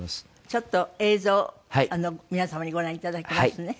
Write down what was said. ちょっと映像皆様にご覧いただきますね。